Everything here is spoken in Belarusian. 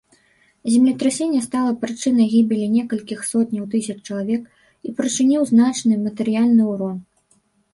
Землетрасенне стала прычынай гібелі некалькіх сотняў тысяч чалавек і прычыніў значны матэрыяльны ўрон.